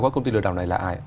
các công ty lừa đảo này là ai